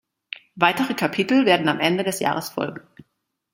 Weitere Kapitel werden Ende des Jahres folgen.